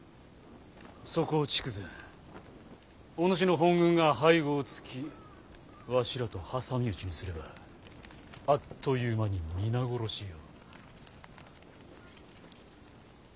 そこを筑前お主の本軍が背後をつきわしらと挟み撃ちにすればあっという間に皆殺しよ。